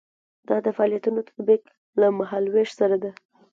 دا د فعالیتونو تطبیق له مهال ویش سره ده.